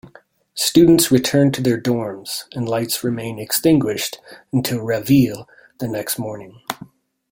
Students return to their dorms, and lights remain extinguished until Reveille the next morning.